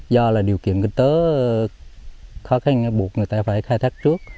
do là điều kiện kinh tế khó khăn buộc người ta phải khai thác trước